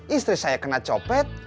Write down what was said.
istri saya kena copet